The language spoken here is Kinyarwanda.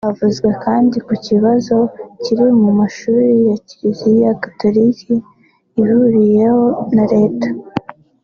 Havuzwe kandi ku kibazo kiri mu mashuri ya Kiliziya Gatolika ihuriyeho na Leta